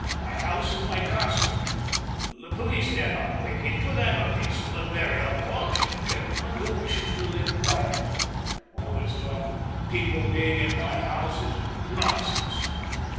My house is my castle! The police dare not break into it! I am a peaceful and very unfortunate gentleman, who wishes to live quietly. All this talk of people being in my house is nonsense!"